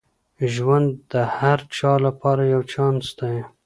ژوند د هر چا لپاره یو چانس دی.